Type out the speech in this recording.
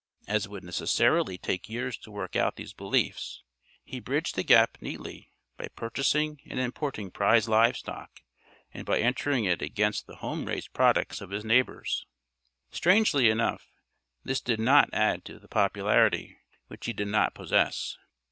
As it would necessarily take years to work out these beliefs, he bridged the gap neatly by purchasing and importing prize livestock and by entering it against the home raised products of his neighbors. Strangely enough, this did not add to the popularity which he did not possess.